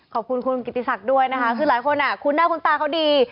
ขอบคุณคุณกิติศักดิ์ด้วยนะคะคือหลายคนคุ้นหน้าคุ้นตาเขาดี